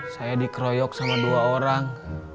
saya dikeroyok sama dua orang